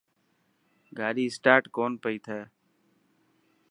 گاڏي اسٽاٽ ڪون پئي ٿي.